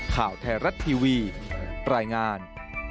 ข่าวแทรฤตทีวีปรายงาน